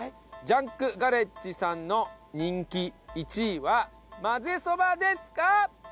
ジャンクガレッジさんの人気１位はまぜそばですか？